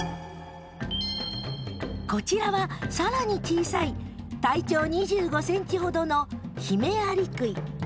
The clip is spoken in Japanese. こちらは更に小さい体長２５ｃｍほどのヒメアリクイ。